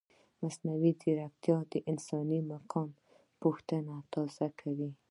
مصنوعي ځیرکتیا د انساني مقام پوښتنه تازه کوي.